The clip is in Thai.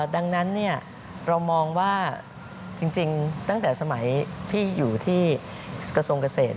ดังนั้นเรามองว่าจริงตั้งแต่สมัยพี่อยู่ที่กระทรวงเกษตร